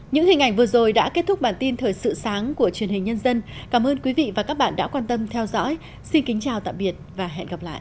những hình ảnh vừa rồi đã kết thúc bản tin thời sự sáng của truyền hình nhân dân cảm ơn quý vị và các bạn đã quan tâm theo dõi xin kính chào tạm biệt và hẹn gặp lại